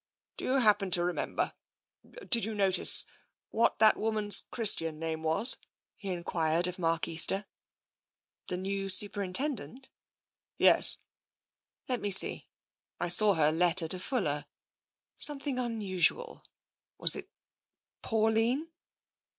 Do you happen to remember — did you notice — what that woman's Christian name was? " he enquired of Mark Easter. " The new Superintendent ?"" Yes." " Let me see. I saw her letter to Fuller — some thing unusual. ... Was it Pauline?"